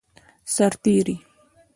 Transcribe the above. سرتیری